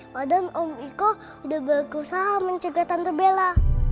padahal om iko sudah berusaha mencegah tante bella